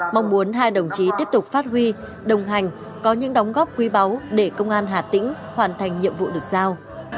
mong muốn hai đồng chí tiếp tục phát huy đồng hành có những đóng góp quý báu để công an hà tĩnh hoàn thành nhiệm vụ được giao